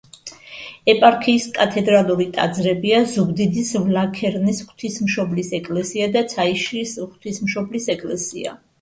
ეპარქიის კათედრალური ტაძრებია ზუგდიდის ვლაქერნის ღვთისმშობლის ეკლესია და ცაიშის ღვთისმშობლის ეკლესია.